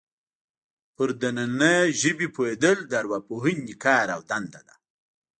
پر دنننۍ ژبې پوهېدل د ارواپوهنې کار او دنده ده